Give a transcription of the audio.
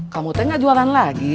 kamu teh gak jualan lagi